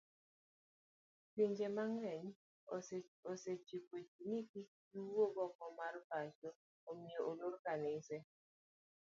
Pinje mang'eny osechiko ji ni kikgiwuogoko mar pacho omiyo oloro kanise